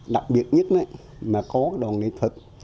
đặc biệt nhất là có đoàn nghệ thuật